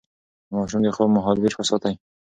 د ماشوم د خوب مهالويش وساتئ.